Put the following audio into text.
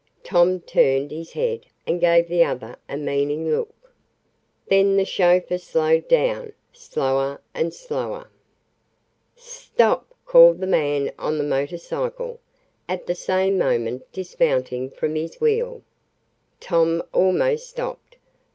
Tom turned his head and gave the other a meaning look. Then the chauffeur slowed down slower and slower. "Stop!" called the man on the motor cycle, at the same moment dismounting from his wheel. Tom almost stopped.